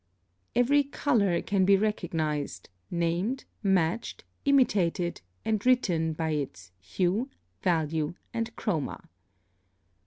] +Every color can be recognized, named, matched, imitated, and written by its HUE, VALUE, and CHROMA.